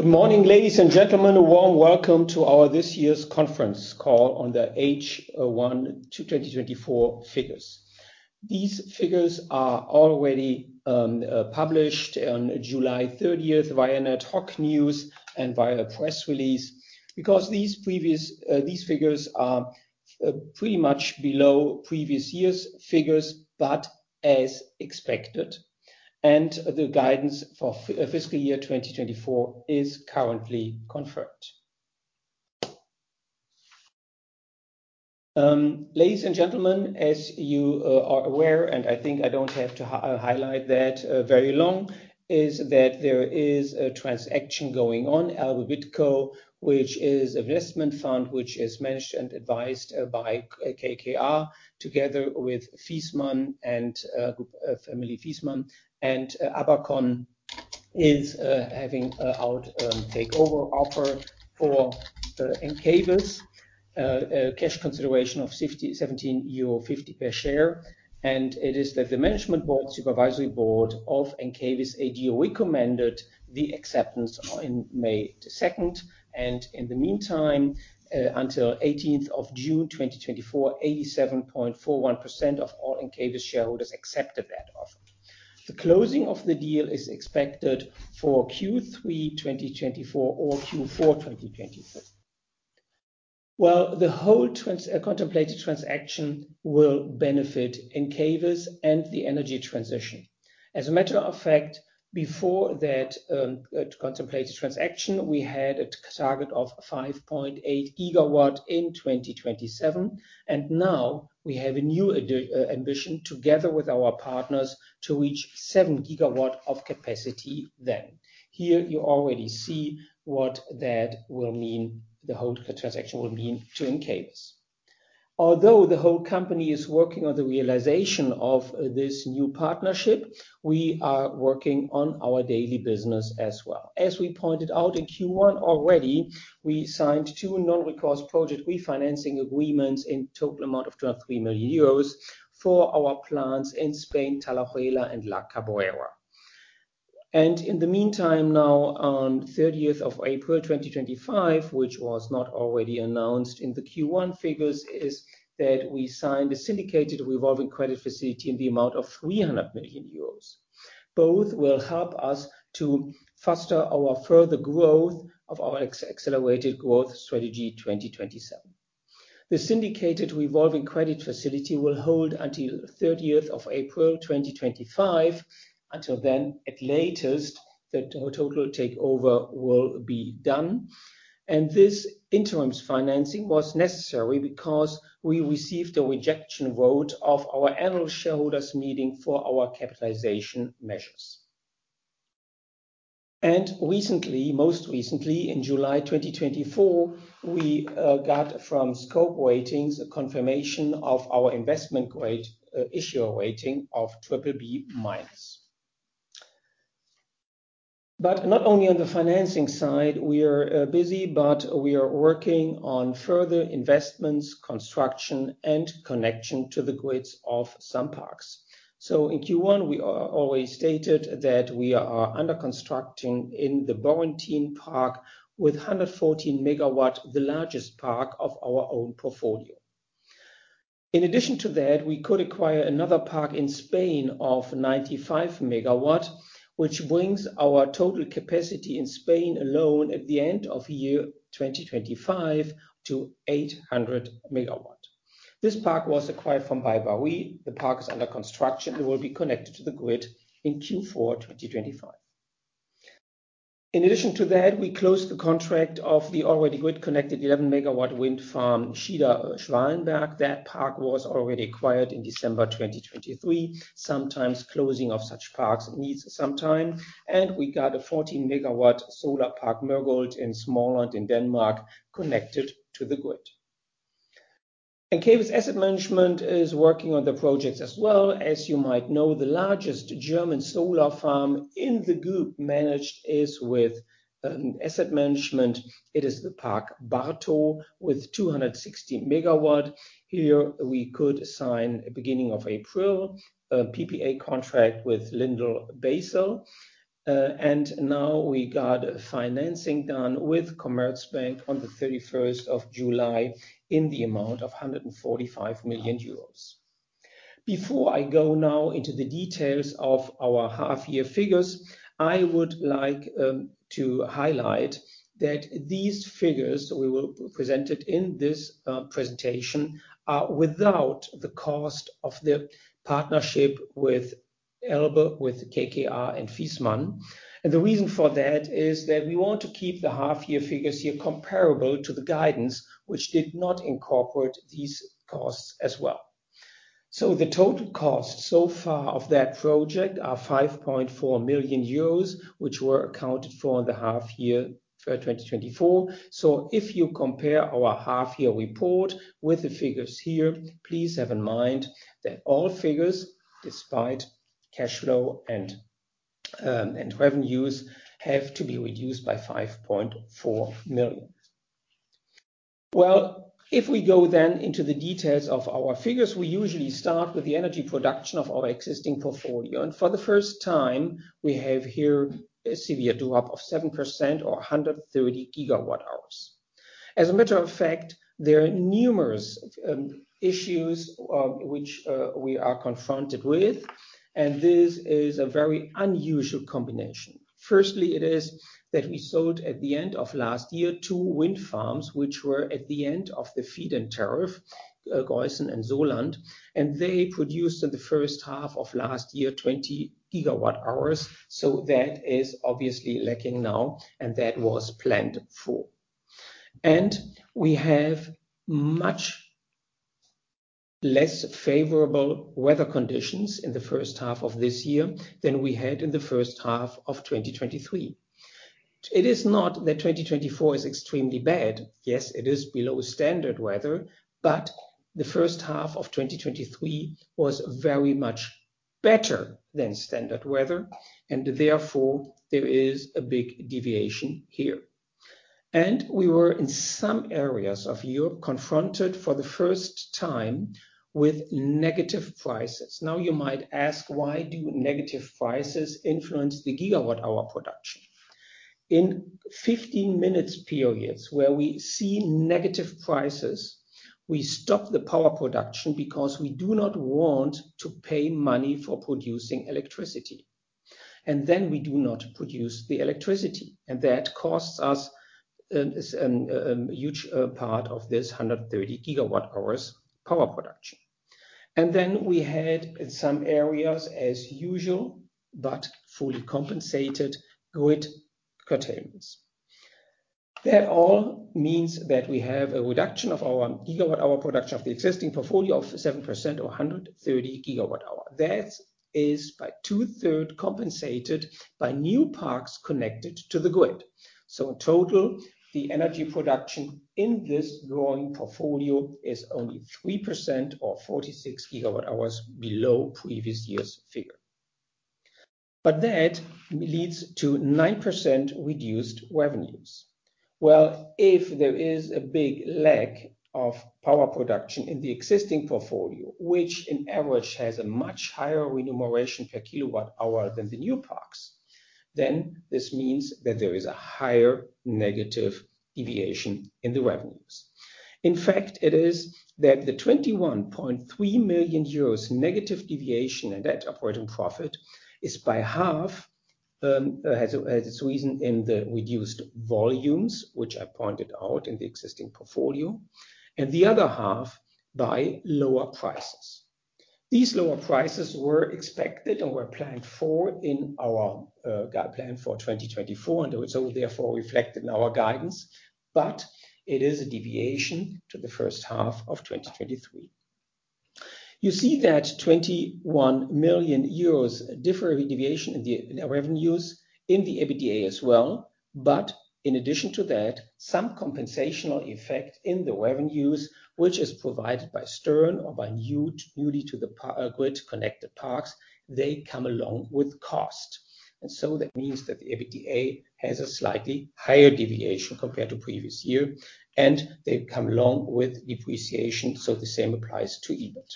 Good morning, ladies and gentlemen. A warm welcome to our this year's conference call on the H1 2024 figures. These figures are already published on July 30 via ad hoc news and via press release, because these figures are pretty much below previous years' figures, but as expected, and the guidance for fiscal year 2024 is currently confirmed. Ladies and gentlemen, as you are aware, and I think I don't have to highlight that very long, is that there is a transaction going on, Elbe BidCo, which is investment fund, which is managed and advised by KKR, together with Viessmann and family Viessmann, and Abacon is having a out takeover offer for Encavis. A cash consideration of 57.50 euro per share, and it is that the Management Board, Supervisory Board of Encavis AG recommended the acceptance on May 2, and in the meantime, until June 18, 2024, 87.41% of all Encavis shareholders accepted that offer. The closing of the deal is expected for Q3 2024 or Q4 2024. Well, the whole contemplated transaction will benefit Encavis and the energy transition. As a matter of fact, before that contemplated transaction, we had a target of 5.8 GW in 2027, and now we have a new ambition, together with our partners, to reach 7 GW of capacity then. Here you already see what that will mean, the whole transaction will mean to Encavis. Although the whole company is working on the realization of this new partnership, we are working on our daily business as well. As we pointed out in Q1 already, we signed two non-recourse project refinancing agreements in total amount of 12 million euros for our plants in Spain, Talayuela and La Cabrera. And in the meantime, now on thirtieth of April, 2025, which was not already announced in the Q1 figures, is that we signed a syndicated revolving credit facility in the amount of 300 million euros. Both will help us to foster our further growth of our accelerated growth strategy, 2027. The syndicated revolving credit facility will hold until thirtieth of April, 2025. Until then, at latest, the total takeover will be done, and this interim's financing was necessary because we received a rejection vote of our annual shareholders meeting for our capitalization measures. Recently, most recently, in July 2024, we got from Scope Ratings a confirmation of our investment grade issuer rating of BBB-. But not only on the financing side, we are busy, but we are working on further investments, construction, and connection to the grids of some parks. So in Q1, we always stated that we are under construction in the Borrentin Park with 114 MW, the largest park of our own portfolio. In addition to that, we could acquire another park in Spain of 95 MW, which brings our total capacity in Spain alone at the end of year 2025 to 800 MW. This park was acquired from BayWa. The park is under construction and will be connected to the grid in Q4 2025. In addition to that, we closed the contract of the already grid-connected 11-MW wind farm, Schieder-Schwalenberg. That park was already acquired in December 2023. Sometimes closing of such parks needs some time, and we got a 14-MW solar park, Mørke, in Smalland, in Denmark, connected to the grid. Encavis' asset management is working on the projects as well. As you might know, the largest German solar farm in the group managed is with asset management. It is the Bartow park with 260 MW. Here we could sign, beginning of April, a PPA contract with LyondellBasell, and now we got financing done with Commerzbank on the 31st of July in the amount of 145 million euros. Before I go now into the details of our half-year figures, I would like, to highlight that these figures we will presented in this, presentation, are without the cost of the partnership with Elbe, with KKR and Viessmann. The reason for that, is that we want to keep the half-year figures here comparable to the guidance, which did not incorporate these costs as well. The total costs so far of that project are 5.4 million euros, which were accounted for in the half year, 2024. If you compare our half-year report with the figures here, please have in mind that all figures, despite cash flow and, and revenues, have to be reduced by 5.4 million. Well, if we go then into the details of our figures, we usually start with the energy production of our existing portfolio, and for the first time, we have here a severe drop of 7% or 130 GWh. As a matter of fact, there are numerous issues which we are confronted with, and this is a very unusual combination. Firstly, it is that we sold at the end of last year, two wind farms, which were at the end of the feed-in tariff, Gösen and Sollnitz, and they produced in the first half of last year, 20 GWh, so that is obviously lacking now, and that was planned for. And we have much less favorable weather conditions in the first half of this year than we had in the first half of 2023. It is not that 2024 is extremely bad. Yes, it is below standard weather, but the first half of 2023 was very much better than standard weather, and therefore, there is a big deviation here. We were, in some areas of Europe, confronted for the first time with negative prices. Now, you might ask, why do negative prices influence the gigawatt hour production? In 15-minute periods where we see negative prices, we stop the power production because we do not want to pay money for producing electricity, and then we do not produce the electricity, and that costs us a huge part of this 130 GWh power production. Then we had in some areas, as usual, but fully compensated grid curtailments. That all means that we have a reduction of our GWh production of the existing portfolio of 7% or 130 GWh. That is by 2/3 compensated by new parks connected to the grid. So in total, the energy production in this growing portfolio is only 3% or 46 GWh below previous year's figure. But that leads to 9% reduced revenues. Well, if there is a big lack of power production in the existing portfolio, which on average has a much higher remuneration per kilowatt hour than the new parks, then this means that there is a higher negative deviation in the revenues. In fact, it is that the 21.3 million euros negative deviation in that operating profit is by half has its reason in the reduced volumes, which I pointed out in the existing portfolio, and the other half by lower prices. These lower prices were expected and were planned for in our guidance for 2024, and so therefore reflected in our guidance, but it is a deviation to the first half of 2023. You see that 21 million euros deviation in the revenues, in the EBITDA as well. But in addition to that, some compensational effect in the revenues, which is provided by Stern or by newly grid-connected parks, they come along with cost. That means that the EBITDA has a slightly higher deviation compared to previous year, and they come along with depreciation, so the same applies to EBIT.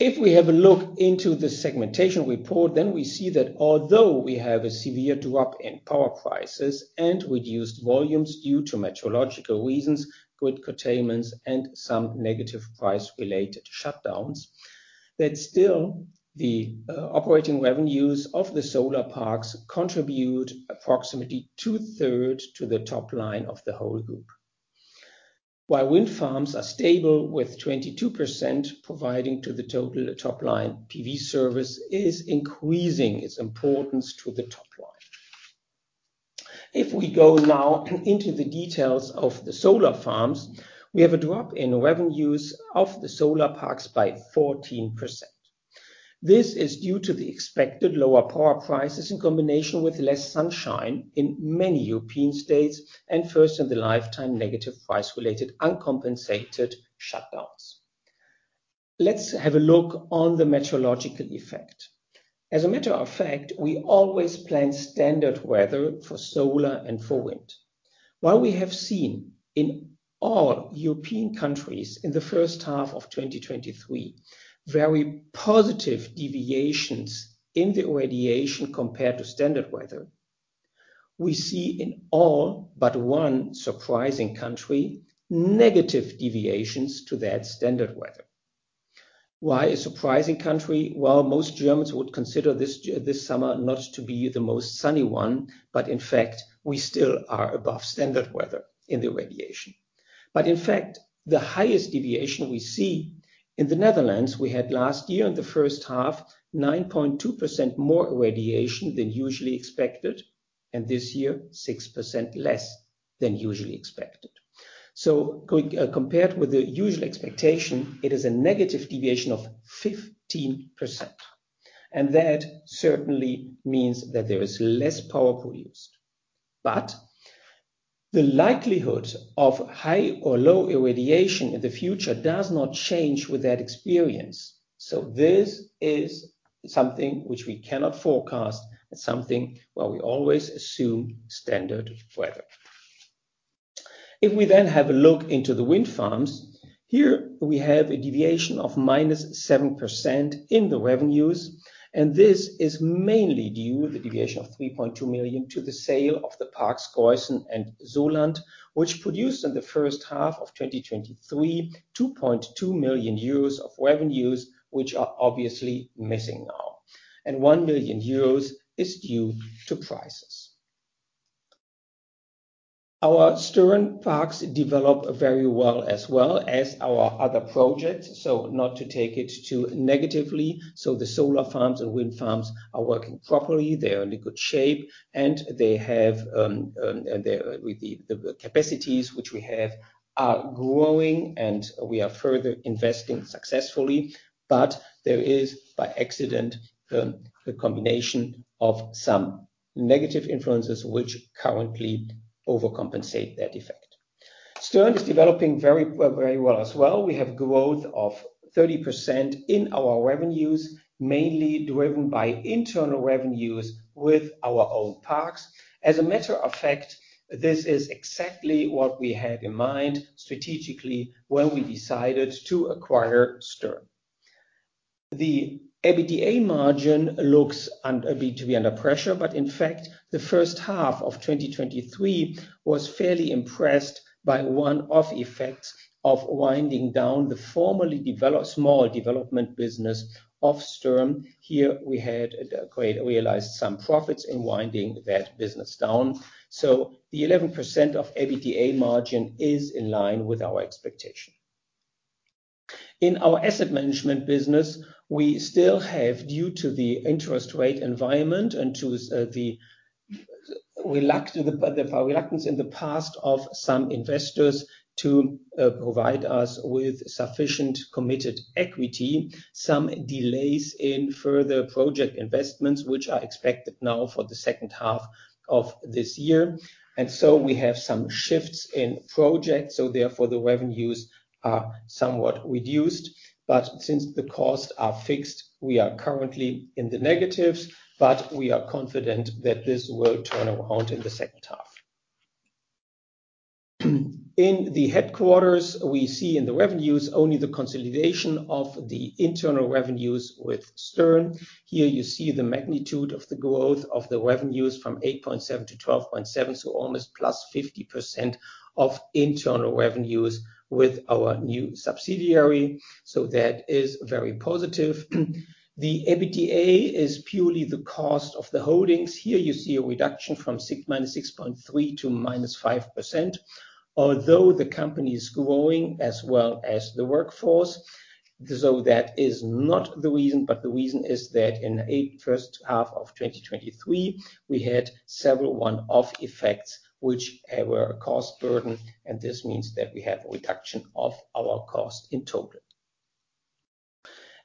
If we have a look into the segmentation report, then we see that although we have a severe drop in power prices and reduced volumes due to meteorological reasons, grid curtailments, and some negative price-related shutdowns, that still the operating revenues of the solar parks contribute approximately 2/3 to the top line of the whole group. While wind farms are stable with 22% providing to the total top line, PV service is increasing its importance to the top line. If we go now into the details of the solar farms, we have a drop in revenues of the solar parks by 14%. This is due to the expected lower power prices in combination with less sunshine in many European states, and first in the lifetime, negative price-related, uncompensated shutdowns. Let's have a look on the meteorological effect. As a matter of fact, we always plan standard weather for solar and for wind. While we have seen in all European countries in the first half of 2023, very positive deviations in the irradiation compared to standard weather, we see in all but one surprising country, negative deviations to that standard weather. Why a surprising country? Well, most Germans would consider this summer not to be the most sunny one, but in fact, we still are above standard weather in the irradiation. But in fact, the highest deviation we see in the Netherlands, we had last year in the first half, 9.2% more irradiation than usually expected, and this year, 6% less than usually expected. So going, compared with the usual expectation, it is a negative deviation of 15%, and that certainly means that there is less power produced. But the likelihood of high or low irradiation in the future does not change with that experience, so this is something which we cannot forecast, and something where we always assume standard weather. If we then have a look into the wind farms, here we have a deviation of -7% in the revenues, and this is mainly due to the deviation of 3.2 million to the sale of the parks, Gösen and Sollnitz, which produced in the first half of 2023, 2.2 million euros of revenues, which are obviously missing now, and 1 million euros is due to prices. Our Stern parks develop very well, as well as our other projects, so not to take it too negatively. So the solar farms and wind farms are working properly, they are in good shape, and they have with the capacities which we have are growing and we are further investing successfully. But there is, by accident, a combination of some negative influences which currently overcompensate that effect. Stern is developing very well, very well as well. We have growth of 30% in our revenues, mainly driven by internal revenues with our own parks. As a matter of fact, this is exactly what we had in mind strategically when we decided to acquire Stern. The EBITDA margin looks a bit to be under pressure, but in fact, the first half of 2023 was fairly impressed by one-off effects of winding down the formerly developed small development business of Stern. Here, we had quite realized some profits in winding that business down. So the 11% of EBITDA margin is in line with our expectation. In our asset management business, we still have, due to the interest rate environment and to the reluctance in the past of some investors to provide us with sufficient committed equity, some delays in further project investments, which are expected now for the second half of this year. We have some shifts in projects, so therefore, the revenues are somewhat reduced. But since the costs are fixed, we are currently in the negatives, but we are confident that this will turn around in the second half. In the headquarters, we see in the revenues only the consolidation of the internal revenues with Stern. Here you see the magnitude of the growth of the revenues from 8.7-12.7, so almost +50% of internal revenues with our new subsidiary. That is very positive. The EBITDA is purely the cost of the holdings. Here you see a reduction from minus 6.3 to minus 5%, although the company is growing as well as the workforce. So that is not the reason, but the reason is that in the first half of 2023, we had several one-off effects, which were a cost burden, and this means that we have a reduction of our cost in total.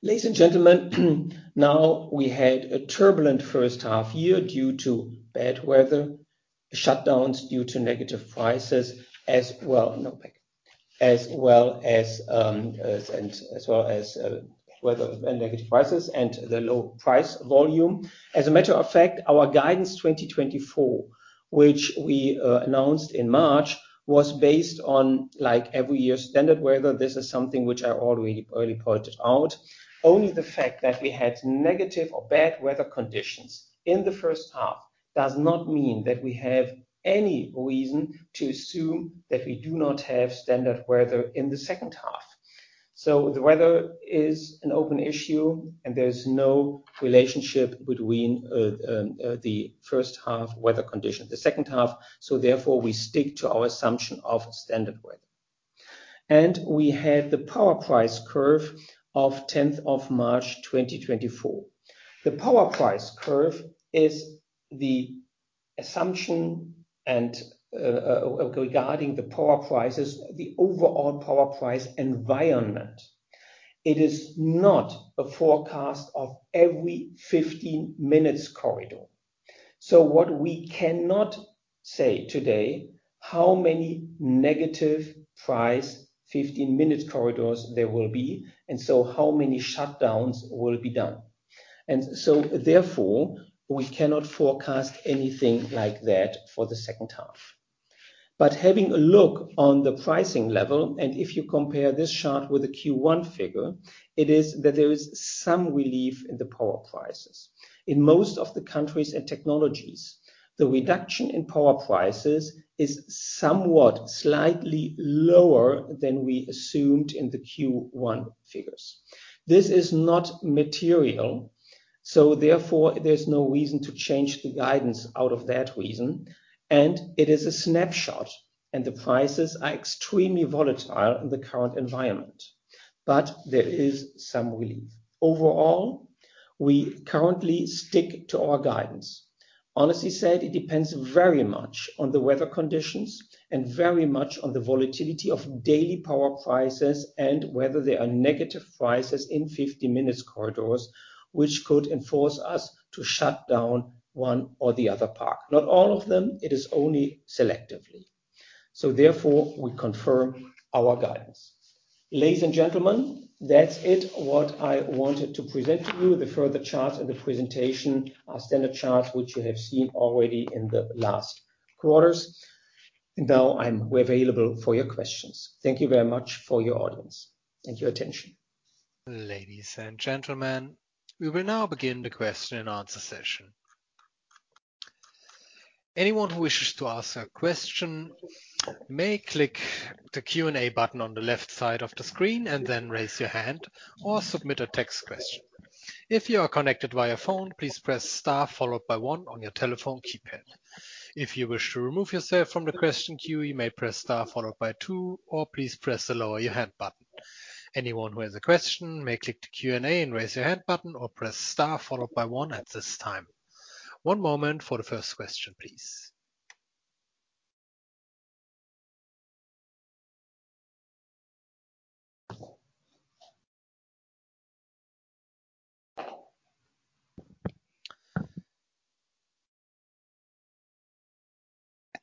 Ladies and gentlemen, now we had a turbulent first half year due to bad weather, shutdowns due to negative prices, as well as weather and negative prices, and the low price volume. As a matter of fact, our guidance 2024, which we announced in March, was based on, like, every year, standard weather. This is something which I already early pointed out. Only the fact that we had negative or bad weather conditions in the first half does not mean that we have any reason to assume that we do not have standard weather in the second half. So the weather is an open issue, and there's no relationship between, the first half weather conditions, the second half, so therefore, we stick to our assumption of standard weather. And we had the power price curve of tenth of March, 2024. The power price curve is the assumption and, regarding the power prices, the overall power price environment. It is not a forecast of every 15 minutes corridor. So what we cannot say today, how many negative price, 15-minute corridors there will be, and so how many shutdowns will be done? And so therefore, we cannot forecast anything like that for the second half. But having a look on the pricing level, and if you compare this chart with the Q1 figure, it is that there is some relief in the power prices. In most of the countries and technologies, the reduction in power prices is somewhat slightly lower than we assumed in the Q1 figures. This is not material, so therefore there's no reason to change the guidance out of that reason. And it is a snapshot, and the prices are extremely volatile in the current environment, but there is some relief. Overall, we currently stick to our guidance. Honestly said, it depends very much on the weather conditions and very much on the volatility of daily power prices and whether there are negative prices in 50-minute corridors, which could enforce us to shut down one or the other park. Not all of them, it is only selectively... So therefore, we confirm our guidance. Ladies and gentlemen, that's it, what I wanted to present to you. The further charts in the presentation are standard charts, which you have seen already in the last quarters. And now I'm available for your questions. Thank you very much for your audience and your attention. Ladies and gentlemen, we will now begin the question and answer session. Anyone who wishes to ask a question may click the Q&A button on the left side of the screen and then raise your hand or submit a text question. If you are connected via phone, please press star followed by one on your telephone keypad. If you wish to remove yourself from the question queue, you may press star followed by two, or please press the Lower Your Hand button. Anyone who has a question may click the Q&A and Raise Your Hand button, or press star followed by one at this time. One moment for the first question, please. It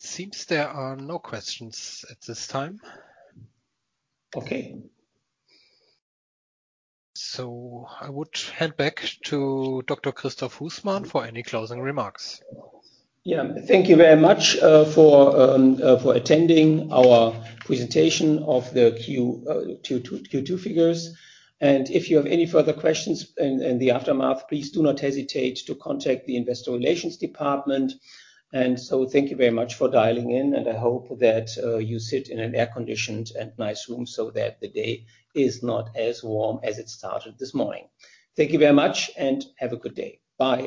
seems there are no questions at this time. Okay. I would hand back to Dr. Christoph Husmann for any closing remarks. Yeah. Thank you very much for attending our presentation of the Q2 figures. And if you have any further questions in the aftermath, please do not hesitate to contact the investor relations department. And so thank you very much for dialing in, and I hope that you sit in an air-conditioned and nice room so that the day is not as warm as it started this morning. Thank you very much, and have a good day. Bye.